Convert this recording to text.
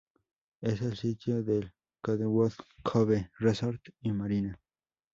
Es el sitio del "Cottonwood Cove Resort y Marina".